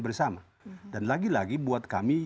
bersama dan lagi lagi buat kami